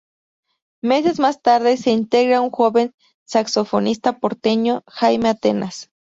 Meses más tarde, se integra un joven saxofonista porteño: Jaime Atenas.